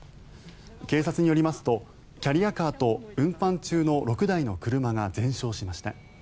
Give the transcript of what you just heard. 警察によりますとキャリアカーと運搬中の６台の車が全焼しました。